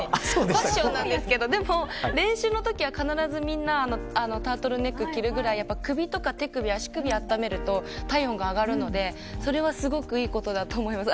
ファッションなんですけどでも、練習のときは必ずみんなタートルネックを着るくらい首とか手首、足首を温めると体温が上がるのでそれはすごくいいことだと思います。